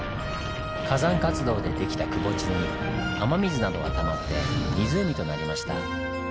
火山活動で出来たくぼ地に雨水などがたまって湖となりました。